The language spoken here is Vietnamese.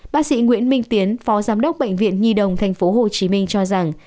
bác sĩ nguyễn minh tiến phó giám đốc bệnh viện nhi đồng tp hcm cho rằng